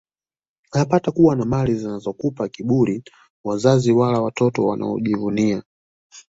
hapatakuwa na mali zinazokupa kiburi wazazi wala watoto unaojivunia